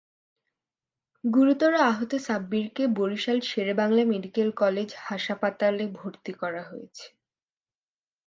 গুরুতর আহত সাব্বিরকে Barisal Sher-e-Bangla medical college হাসাপাতালে ভর্তি করা হয়েছে।